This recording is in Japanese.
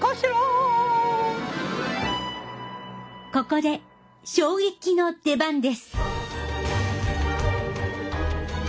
ここで衝撃の出番です。